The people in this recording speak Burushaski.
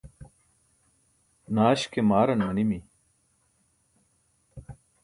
Naaś ke maaran manimi.